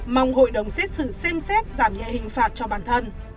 mong hội đồng xét xử xem xét giảm nhẹ hình phạt cho bản thân